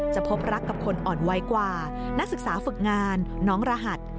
พบรักกับคนอ่อนไวกว่านักศึกษาฝึกงานน้องรหัส